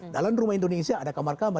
dalam rumah indonesia ada kamar kamar